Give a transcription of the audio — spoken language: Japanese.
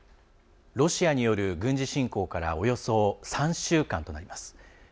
ロシアによる軍事侵攻からおよそ３週間となります。